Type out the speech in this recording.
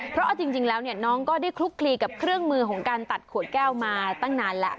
เพราะเอาจริงแล้วน้องก็ได้คลุกคลีกับเครื่องมือของการตัดขวดแก้วมาตั้งนานแล้ว